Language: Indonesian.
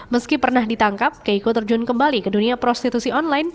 meski pernah ditangkap keiko terjun kembali ke dunia prostitusi online